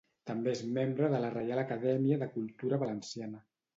També és membre de la Reial Acadèmia de Cultura Valenciana.